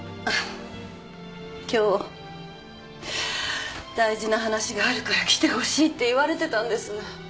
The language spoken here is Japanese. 今日大事な話があるから来てほしいって言われてたんです。